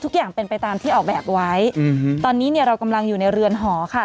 ทุกอย่างเป็นไปตามที่ออกแบบไว้ตอนนี้เนี่ยเรากำลังอยู่ในเรือนหอค่ะ